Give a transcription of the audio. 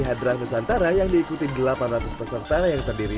saling bersilang budaya tanpa kehilangan jati diri